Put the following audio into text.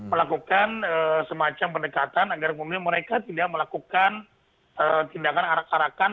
melakukan semacam pendekatan agar kemudian mereka tidak melakukan tindakan arak arakan